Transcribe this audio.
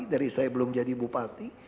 dari saya belum jadi bupati